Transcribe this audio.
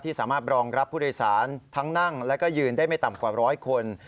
สามารถรองรับผู้โดยสารทั้งนั่งแล้วก็ยืนได้ไม่ต่ำกว่าร้อยคน